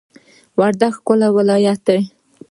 وردګ ښکلی ولایت دی